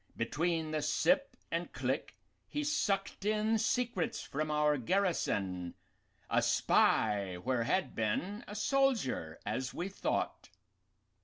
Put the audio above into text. Between the sip and click he sucked in secrets from our garrison a spy where had been a soldier, as we thought.